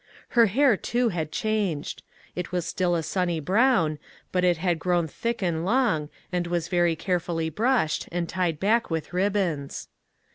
Her hair, too, had changed. It was still a sunny brown, but it had grown thick and long, and was very carefully brushed, and tied back with ribbons.